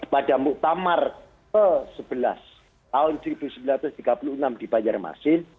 pada muktamar ke sebelas tahun seribu sembilan ratus tiga puluh enam di banjarmasin